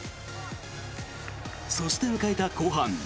そして迎えた後半。